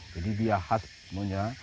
jadi dia khas semuanya